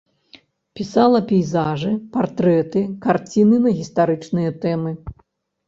Пісала пейзажы, партрэты, карціны на гістарычныя тэмы.